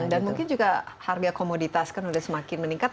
dan mungkin juga harga komoditas kan udah semakin meningkat